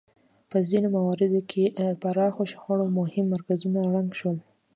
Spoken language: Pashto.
په ځینو مواردو کې پراخو شخړو مهم مرکزونه ړنګ شول.